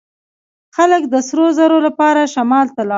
خلک د سرو زرو لپاره شمال ته لاړل.